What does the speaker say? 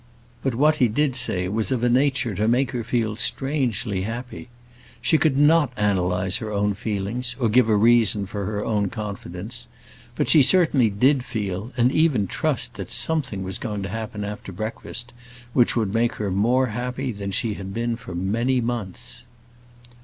But what he did say was of a nature to make her feel strangely happy. She could not analyse her own feelings, or give a reason for her own confidence; but she certainly did feel, and even trust, that something was going to happen after breakfast which would make her more happy than she had been for many months.